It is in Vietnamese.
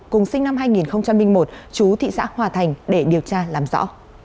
cùng sinh năm hai nghìn một chú thị xã hòa thành để điều tra làm rõ